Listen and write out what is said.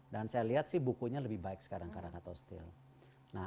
dan saya lihat sih bukunya lebih baik sekarang caracat hostile